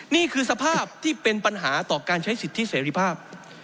นี่คือสภาพที่เป็นปัญหาต่อการใช้สิทธิเสรีภาพ